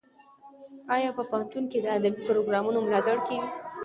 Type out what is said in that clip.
ایا په پوهنتون کې د ادبي پروګرامونو ملاتړ کیږي؟